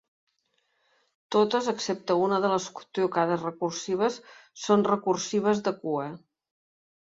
Totes excepte una de les trucades recursives són recursives de cua.